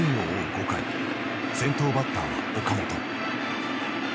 ５回先頭バッターは岡本。